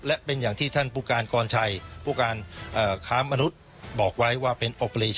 และเป็นอย่างที่ท่านผู้การกรชัยผู้การค้ามนุษย์บอกไว้ว่าเป็นโอปรี